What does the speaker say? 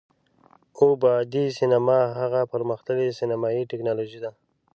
اووه بعدی سینما هغه پر مختللې سینمایي ټیکنالوژي ده،